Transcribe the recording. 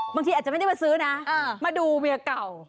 บางทีอาจจะไม่ได้มาซื้อนะมาดูเมียเก่า